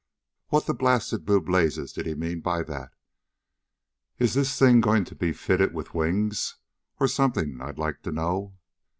What the blasted blue blazes did he mean by that? Is this thing going to be fitted with wings, or something, I'd like to know?"